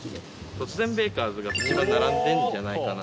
トツゼンベーカーズが一番並んでるんじゃないかな？